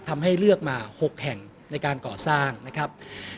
ทำให้เลือกมา๖แห่งในการก่อสร้างนะครับ